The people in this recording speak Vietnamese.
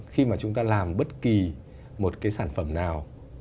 khi mà chúng ta làm bất kỳ một cái sản phẩm nào